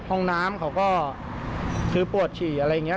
ห้องน้ำเขาก็คือปวดฉี่อะไรอย่างนี้